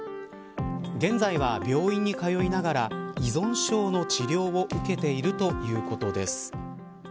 現在は、病院に通いながら依存症の治療を受けているということです。